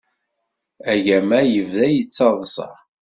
Agama yebda yettaḍsa.